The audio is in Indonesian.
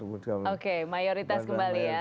oke mayoritas kembali ya